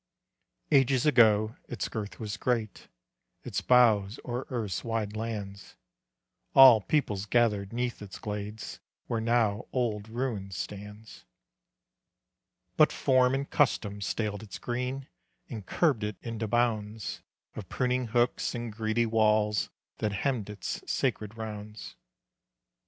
Ages ago its girth was great; Its boughs o'er earth's wide lands; All peoples gathered 'neath its glades Where now old ruin stands. But form and custom staled its green And curbed it into bounds Of pruning hooks and greedy walls That hemmed its sacred rounds.